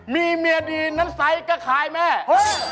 มีเมียดีนั้นไซส์ก็คล้ายแม่เฮ้ย